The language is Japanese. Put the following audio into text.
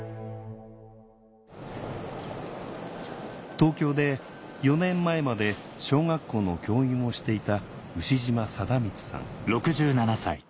東京で４年前まで小学校の教員をしていた牛島貞満さん